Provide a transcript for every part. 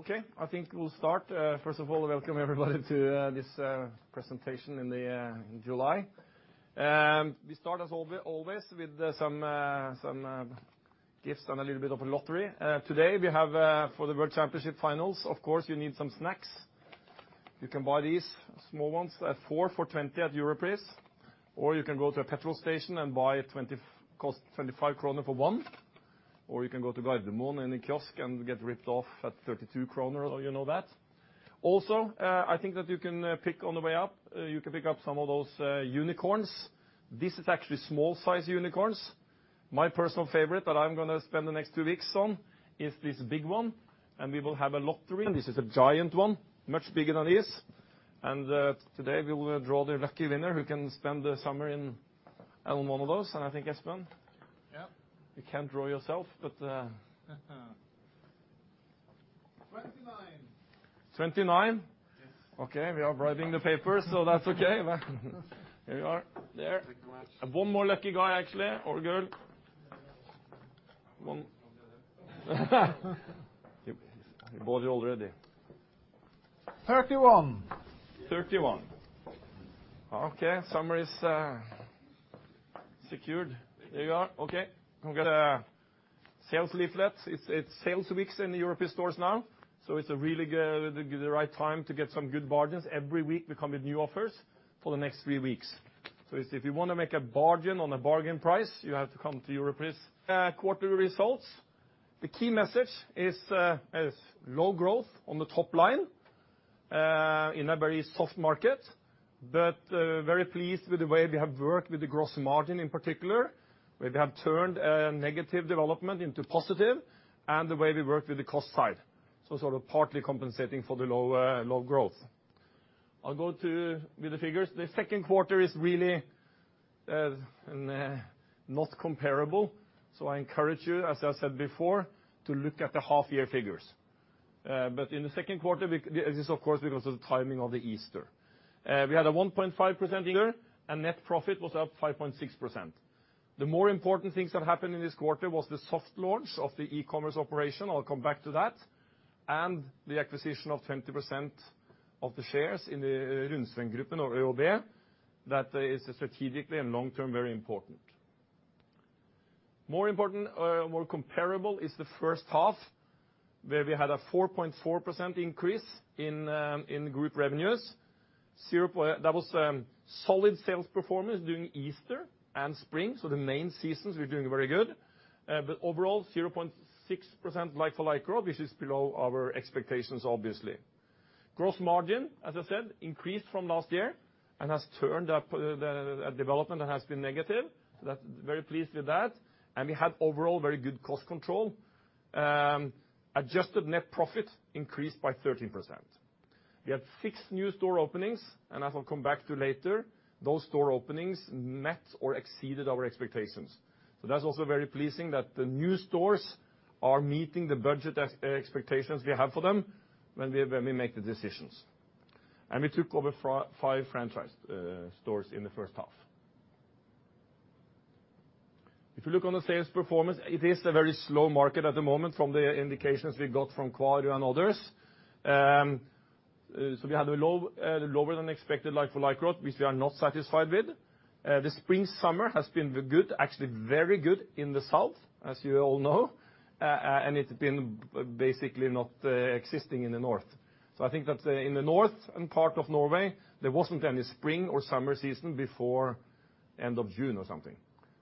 Okay, I think we'll start. First of all, welcome everybody to this presentation in July. We start as always with some gifts and a little bit of a lottery. Today we have for the World Championship Finals, of course, you need some snacks. You can buy these small ones at four for 20 euro at Europris, or you can go to a petrol station and buy, cost 25 kroner for one, or you can go to Narvesen in a kiosk and get ripped off at 32 kroner. You know that. I think that you can pick on the way up, you can pick up some of those unicorns. This is actually small-size unicorns. My personal favorite that I'm going to spend the next two weeks on is this big one. We will have a lottery. This is a giant one, much bigger than this. Today we will draw the lucky winner who can spend the summer in one of those. I think, Espen? Yeah. You can't draw yourself, but 29. 29? Yes. Okay. We are writing the paper, so that's okay. Here we are there. One more lucky guy actually, or girl. One. He bought it already. 31. 31. Okay. Summer is secured. There you are. Okay. We've got a sales leaflet. It's sales weeks in the Europris stores now. It's really the right time to get some good bargains. Every week we come with new offers for the next three weeks. If you want to make a bargain on a bargain price, you have to come to Europris. Quarterly results. The key message is low growth on the top line, in a very soft market, but very pleased with the way we have worked with the gross margin in particular, where we have turned a negative development into positive, and the way we worked with the cost side, sort of partly compensating for the low growth. I'll go to with the figures. The second quarter is really not comparable. I encourage you, as I said before, to look at the half-year figures. In the second quarter, this of course because of the timing of the Easter. We had a 1.5% here. Net profit was up 5.6%. The more important things that happened in this quarter was the soft launch of the e-commerce operation, I'll come back to that. The acquisition of 20% of the shares in the Runsvengruppen, or ÖoB, that is strategically and long-term, very important. More comparable is the first half, where we had a 4.4% increase in group revenues. That was solid sales performance during Easter and spring. The main seasons we're doing very good. Overall, 0.6% like-for-like growth, which is below our expectations obviously. Gross margin, as I said, increased from last year and has turned a development that has been negative. Very pleased with that. We had overall very good cost control. Adjusted net profit increased by 13%. We had six new store openings. As I'll come back to later, those store openings met or exceeded our expectations. That's also very pleasing that the new stores are meeting the budget expectations we have for them when we make the decisions. We took over five franchise stores in the first half. If you look on the sales performance, it is a very slow market at the moment from the indications we got from Coor and others. We had a lower than expected like-for-like growth, which we are not satisfied with. The spring-summer has been good, actually very good in the south as you all know. It's been basically not existing in the north. I think that in the north part of Norway, there wasn't any spring or summer season before end of June or something.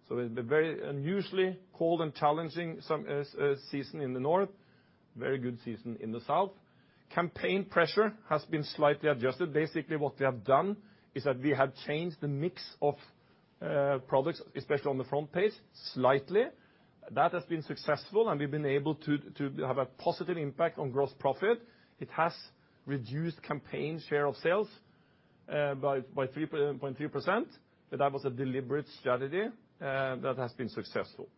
It's been very unusually cold and challenging season in the north, very good season in the south. Campaign pressure has been slightly adjusted. Basically what we have done is that we have changed the mix of products, especially on the front page slightly. That has been successful and we've been able to have a positive impact on gross profit. It has reduced campaign share of sales by 3.3%, that was a deliberate strategy that has been successful.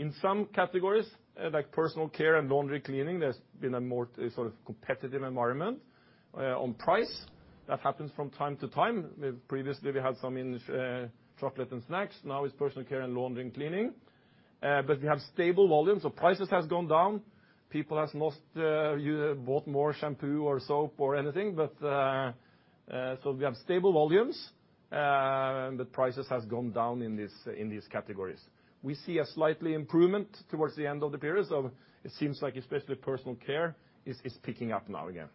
In some categories, like personal care and laundry cleaning, there's been a more sort of competitive environment on price. That happens from time to time. Previously we had some in chocolate and snacks. Now it's personal care and laundry and cleaning. We have stable volumes, prices has gone down. People has bought more shampoo or soap or anything, we have stable volumes. Prices has gone down in these categories. We see a slightly improvement towards the end of the period. It seems like especially personal care is picking up now again.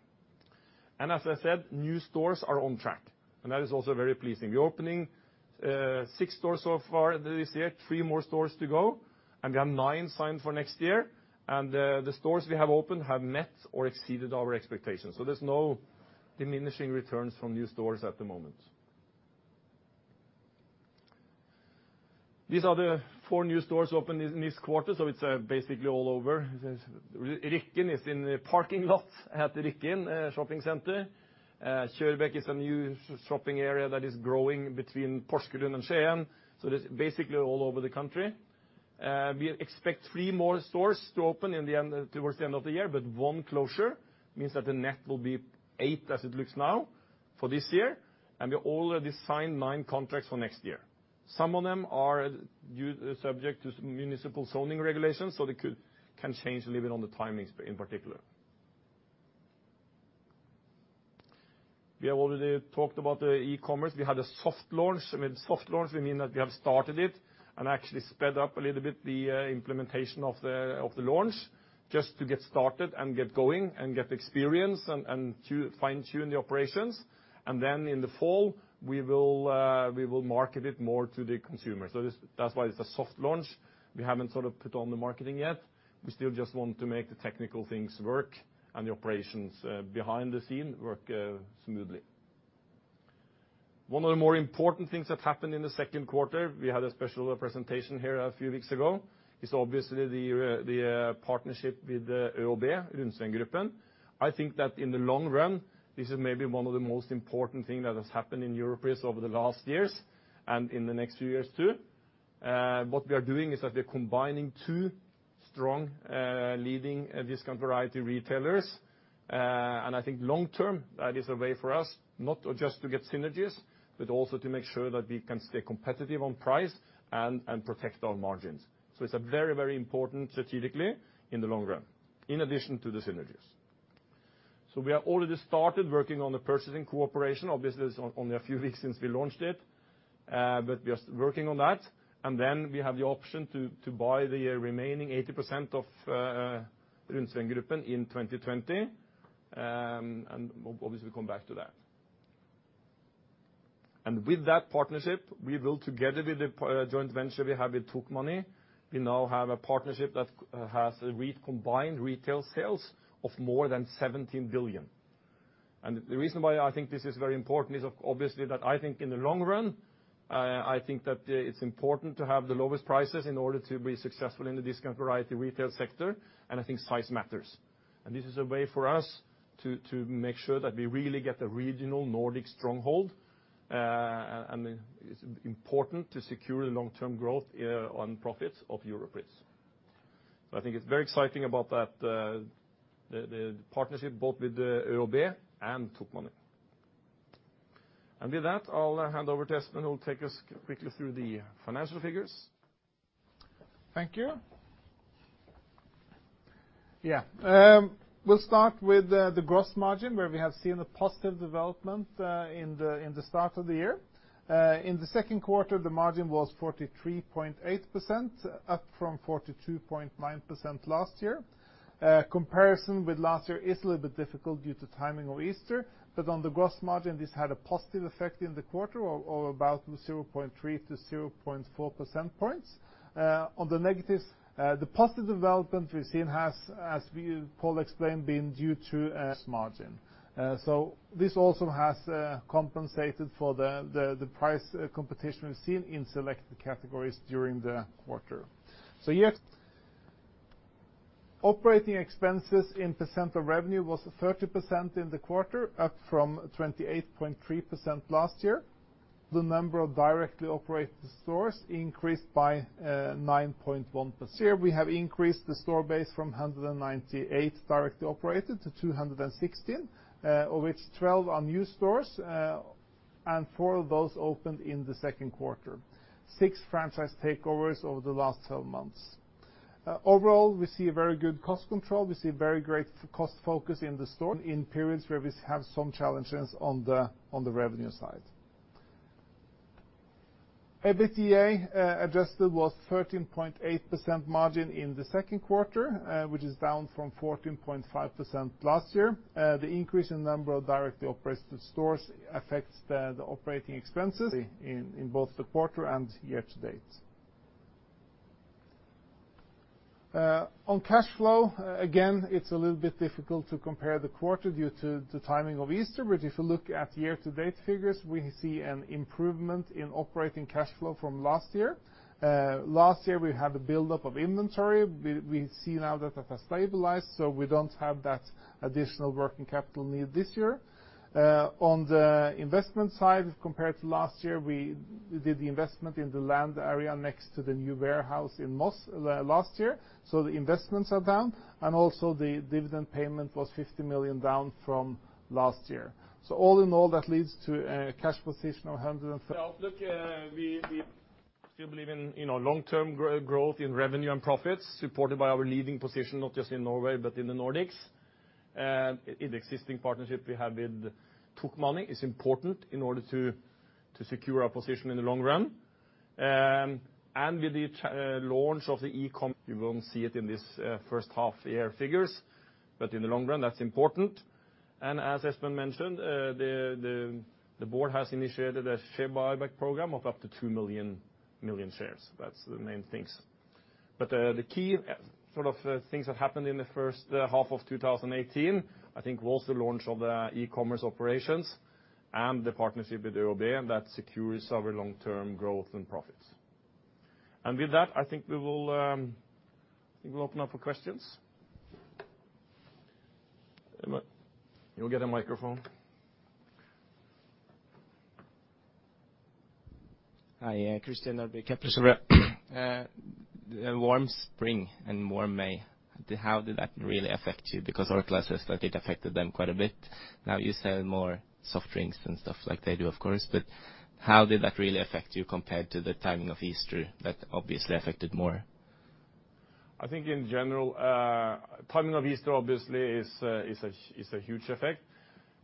As I said, new stores are on track. That is also very pleasing. We're opening 6 stores so far this year, 3 more stores to go, and we have 9 signed for next year. The stores we have opened have met or exceeded our expectations. There's no diminishing returns from new stores at the moment. These are the four new stores opened in this quarter. It's basically all over. Rykkinn is in the parking lot at Rykkinn Senter. Kjørbekk is a new shopping area that is growing between Porsgrunn and Skien. It is basically all over the country. We expect three more stores to open towards the end of the year, one closure Means that the net will be eight as it looks now for this year, we already signed nine contracts for next year. Some of them are subject to municipal zoning regulations, they can change a little on the timing in particular. We have already talked about the e-commerce. We had a soft launch. With soft launch, we mean that we have started it and actually sped up a little bit the implementation of the launch, just to get started and get going and get experience and fine-tune the operations. In the fall, we will market it more to the consumer. That's why it's a soft launch. We haven't put on the marketing yet. We still just want to make the technical things work and the operations behind the scene work smoothly. One of the more important things that happened in the second quarter, we had a special presentation here a few weeks ago, is obviously the partnership with ÖoB, Runsvengruppen. I think that in the long run, this is maybe one of the most important thing that has happened in Europris over the last years and in the next few years, too. What we are doing is that we are combining two strong, leading discount variety retailers. I think long term, that is a way for us not just to get synergies, but also to make sure that we can stay competitive on price and protect our margins. It's very important strategically in the long run, in addition to the synergies. We have already started working on the purchasing cooperation. Obviously, it's only a few weeks since we launched it, but we are working on that. Then we have the option to buy the remaining 80% of Runsvengruppen in 2020, obviously we'll come back to that. With that partnership, we will, together with the joint venture we have with Tokmanni, we now have a partnership that has combined retail sales of more than 17 billion. The reason why I think this is very important is obviously that I think in the long run, I think that it's important to have the lowest prices in order to be successful in the discount variety retail sector, I think size matters. This is a way for us to make sure that we really get a regional Nordic stronghold, and it's important to secure the long-term growth on profits of Europris. I think it's very exciting about that, the partnership both with ÖoB and Tokmanni. With that, I'll hand over to Espen, who will take us quickly through the financial figures. Thank you. We'll start with the gross margin, where we have seen a positive development in the start of the year. In the second quarter, the margin was 43.8%, up from 42.9% last year. Comparison with last year is a little bit difficult due to timing of Easter, but on the gross margin, this had a positive effect in the quarter of about 0.3%-0.4%. On the negatives, the positive development we've seen has, as Pål explained, been due to margin. This also has compensated for the price competition we've seen in selected categories during the quarter. Yes, operating expenses in % of revenue was 30% in the quarter, up from 28.3% last year. The number of directly operated stores increased by 9.1%. Here we have increased the store base from 198 directly operated to 216, of which 12 are new stores, and four of those opened in the second quarter. Six franchise takeovers over the last 12 months. Overall, we see very good cost control. We see very great cost focus in the store in periods where we have some challenges on the revenue side. EBITDA adjusted was 13.8% margin in the second quarter, which is down from 14.5% last year. The increase in number of directly operated stores affects the operating expenses in both the quarter and year-to-date. On cash flow, again, it's a little bit difficult to compare the quarter due to the timing of Easter, but if you look at year-to-date figures, we see an improvement in operating cash flow from last year. Last year, we had a buildup of inventory. We see now that has stabilized, we don't have that additional working capital need this year. On the investment side, compared to last year, we did the investment in the land area next to the new warehouse in Moss last year, the investments are down, and also the dividend payment was 50 million down from last year. All in all, that leads to a cash position of 130- The outlook, we still believe in long-term growth in revenue and profits, supported by our leading position, not just in Norway, but in the Nordics. In the existing partnership we have with Tokmanni is important in order to secure our position in the long run. With the launch of the e-com, you won't see it in this first half year figures, but in the long run, that's important. As Espen mentioned, the board has initiated a share buyback program of up to 2 million shares. That's the main things. The key things that happened in the first half of 2018, I think, was the launch of the e-commerce operations and the partnership with ÖoB, that secures our long-term growth and profits. With that, I think we will open up for questions. You'll get a microphone Hi. Christian Norbieri, Capio. A warm spring and warm May, how did that really affect you? Orkla says that it affected them quite a bit. You sell more soft drinks and stuff like they do, of course, but how did that really affect you compared to the timing of Easter? That obviously affected more. I think in general, timing of Easter obviously is a huge effect.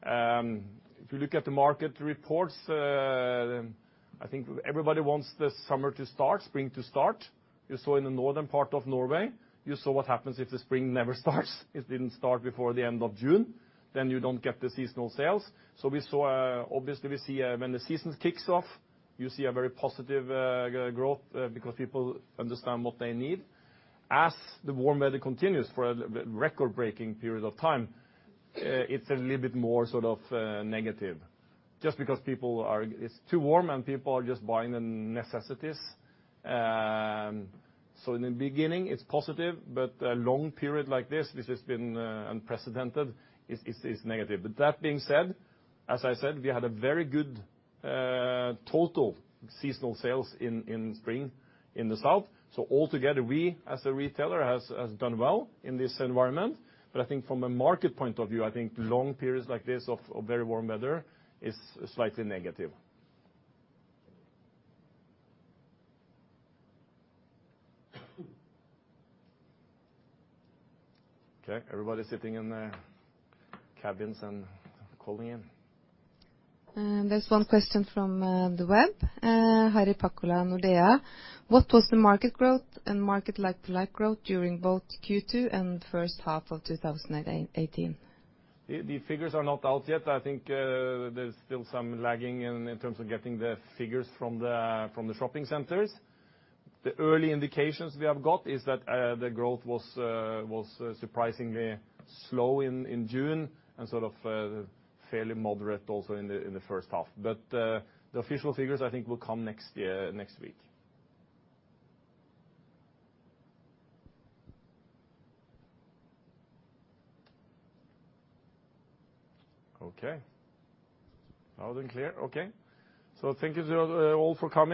If you look at the market reports, I think everybody wants the summer to start, spring to start. You saw in the northern part of Norway, you saw what happens if the spring never starts. It didn't start before the end of June, then you don't get the seasonal sales. Obviously, we see when the seasons kicks off, you see a very positive growth, because people understand what they need. As the warm weather continues for a record-breaking period of time, it's a little bit more negative. Just because it's too warm, and people are just buying the necessities. In the beginning it's positive, but a long period like this has been unprecedented, it's negative. That being said, as I said, we had a very good total seasonal sales in spring in the south. Altogether, we as a retailer has done well in this environment. I think from a market point of view, I think long periods like this of very warm weather is slightly negative. Okay, everybody sitting in their cabins and calling in. There's one question from the web. Harry Pakula, Nordea. What was the market growth and market like-for-like growth during both Q2 and first half of 2018? The figures are not out yet. I think there's still some lagging in terms of getting the figures from the shopping centers. The early indications we have got is that the growth was surprisingly slow in June, and fairly moderate also in the first half. The official figures, I think, will come next week. Okay. All clear? Okay. Thank you all for coming.